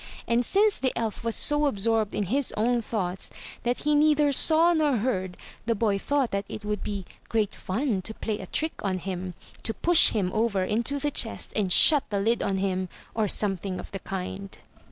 And since the elf was so absorbed in his own thoughts that he neither saw nor heard, the boy thought that it would be great fun to play a trick on him; to push him over into the chest and shut the lid on him, or something of the kind.